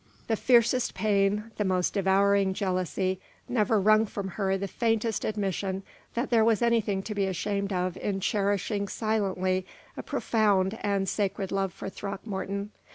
The fiercest pain, the most devouring jealousy never wrung from her the faintest admission that there was anything to be ashamed of in cherishing silently a profound and sacred love for Throckmorton.